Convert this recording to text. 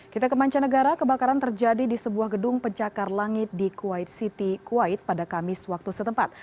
kita ke mancanegara kebakaran terjadi di sebuah gedung pencakar langit di kuwait city kuwait pada kamis waktu setempat